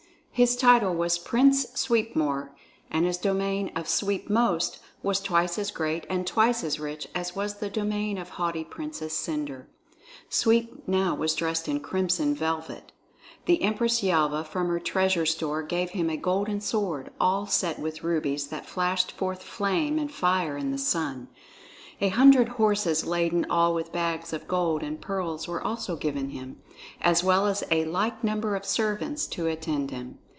His title was Prince Sweepmore and his domain of Sweepmost was twice as great and twice as rich as was the domain of haughty Princess Cendre. Sweep now was dressed in crimson velvet. The Empress Yelva from her treasure store gave him a golden sword all set with rubies that flashed forth flame and fire in the sun. A hundred horses laden all with bags of gold and pearls were also given him, as well as a like number of servants to attend him.